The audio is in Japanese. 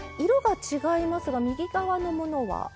色が違いますが右側のものは？